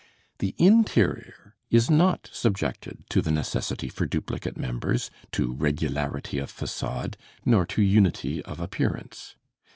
The interior is not subjected to the necessity for duplicate members, to regularity of façade, nor to unity of appearance.